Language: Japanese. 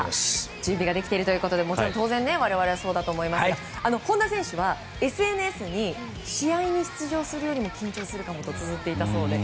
準備ができているということでもちろん我々もそうだと思いますが本田選手はＳＮＳに、試合に出場するよりも緊張するかもとつづっていたそうで。